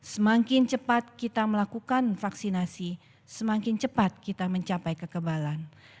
semakin cepat kita melakukan vaksinasi semakin cepat kita mencapai kekebalan